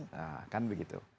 nah kan begitu